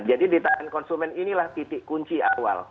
jadi di tangan konsumen inilah titik kunci awal